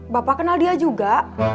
bapak kenal dia juga